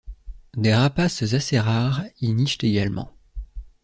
Des rapaces assez rares y nichent également.